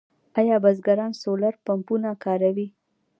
آیا بزګران سولر پمپونه کاروي؟